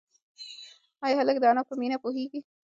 ایا هلک د انا په مینه پوهېږي؟